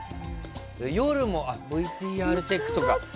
夜もＶＴＲチェックとか。